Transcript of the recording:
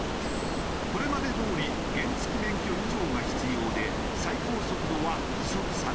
これまでどおり原付免許以上が必要で最高速度は時速３０キロ。